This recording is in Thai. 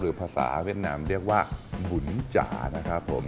ภาษาเวียดนามเรียกว่าบุญจ๋านะครับผม